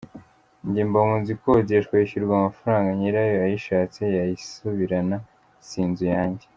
Njye mba nzu ikodeshwa yishyurwa amafaranga, nyirayo ayishatse yayisubirana si inzu yanjye.